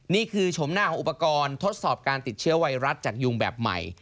ชมหน้าของอุปกรณ์ทดสอบการติดเชื้อไวรัสจากยุงแบบใหม่